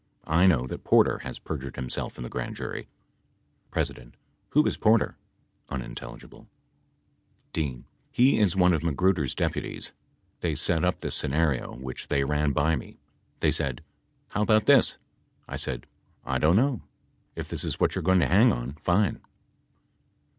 I know that Porter has perjured himself in the Grand Jury. P. W 1 10 is Porter ? [unintelligible] D. He is one of Magruder's deputies. They net up thin scenario which they ran by me. They said " How about thrift / said. "/ don't know. If this is what you are going to hang on, fine."